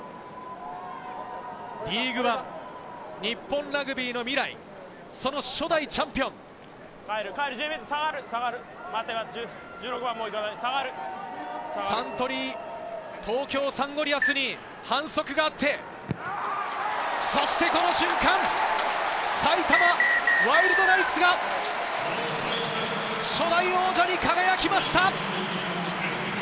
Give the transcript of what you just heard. リーグワン日本ラグビーの未来、その初代チャンピオン、サントリー東京サンゴリアスに反則があって、そしてこの瞬間、埼玉ワイルドナイツが、初代王者に輝きました！